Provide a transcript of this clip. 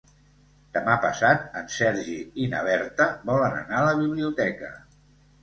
Demà passat en Sergi i na Berta volen anar a la biblioteca.